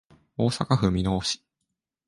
大阪府箕面市